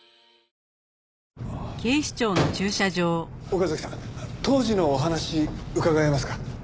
岡崎さん当時のお話伺えますか？